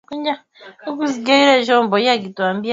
Wanaweza kuhudumia meli kubwa kutoka nje moja kwa moja